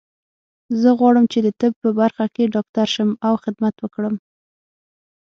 زه غواړم چې د طب په برخه کې ډاکټر شم او خدمت وکړم